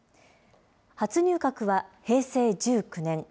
初入閣は平成１９年。